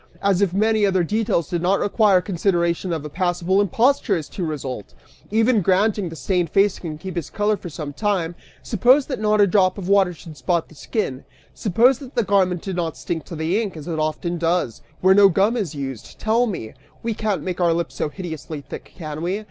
As if many other details did not require consideration if a passable imposture is to result! Even granting that the stained face can keep its color for some time, suppose that not a drop of water should spot the skin, suppose that the garment did not stick to the ink, as it often does, where no gum is used, tell me! We can't make our lips so hideously thick, can we?